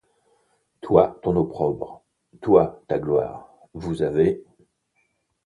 Toi, ton opprobre ; toi, ta gloire. Vous avez